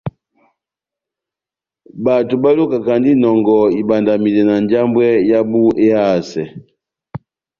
Bato balukakandini inɔngɔ ibandamidɛ na njambwɛ yábu ehasɛ.